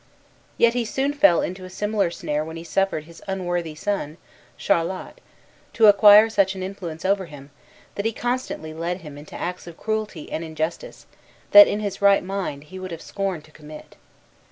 Yet he soon fell into a similar snare when he suffered his unworthy son, Charlot, to acquire such an influence over him, that he constantly led him into acts of cruelty and injustice that in his right mind he would have scorned to commit.